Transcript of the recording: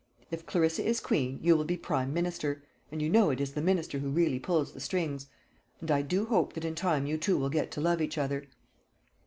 If Clarissa is queen, you will be prime minister; and you know it is the minister who really pulls the strings. And I do hope that in time you two will get to love each other."